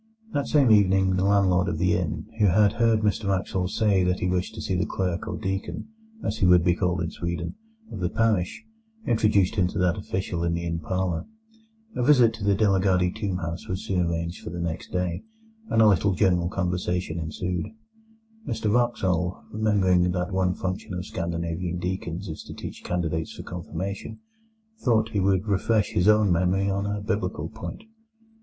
That same evening the landlord of the inn, who had heard Mr Wraxall say that he wished to see the clerk or deacon (as he would be called in Sweden) of the parish, introduced him to that official in the inn parlour. A visit to the De la Gardie tomb house was soon arranged for the next day, and a little general conversation ensued. Mr Wraxall, remembering that one function of Scandinavian deacons is to teach candidates for Confirmation, thought he would refresh his own memory on a Biblical point.